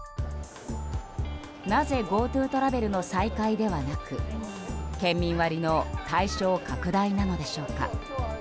なぜＧｏＴｏトラベルの再開ではなく県民割の対象拡大なのでしょうか。